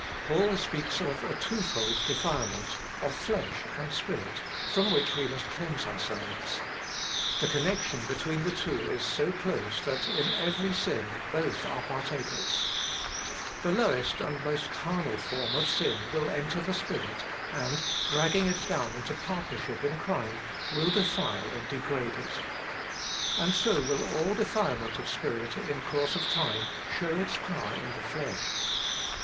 Paul speaks of a twofold defilement, of flesh and spirit, from which we must cleanse ourselves. The connection between the two is so close, that in every sin both are partakers. The lowest and most carnal form of sin will enter the spirit, and, dragging it down into partnership in crime, will defile and degrade it. And so will all defilement of spirit in course of time show its power in the flesh.